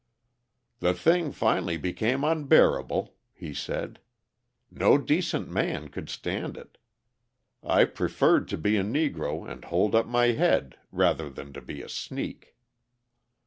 "The thing finally became unbearable," he said; "no decent man could stand it. I preferred to be a Negro and hold up my head rather than to be a sneak."